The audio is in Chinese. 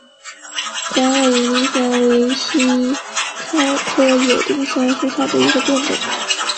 光萼野丁香为茜草科野丁香属下的一个变种。